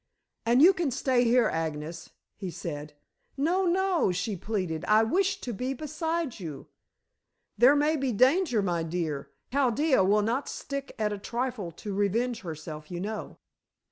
"And you can stay here, Agnes," he said. "No, no," she pleaded. "I wish to be beside you." "There may be danger, my dear. Chaldea will not stick at a trifle to revenge herself, you know."